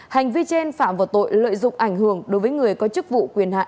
hành vi trên phạm vào tội lợi dụng ảnh hưởng đối với người có chức vụ quyền hạn